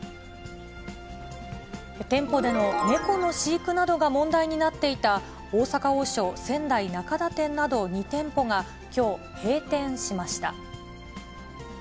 店舗での猫の飼育などが問題になっていた、大阪王将仙台中田店など、２店舗が、きょう、閉店しました。